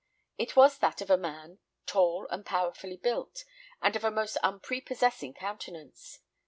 It was that of a man, tall, and powerfully built, and of a most unprepossessing countenance.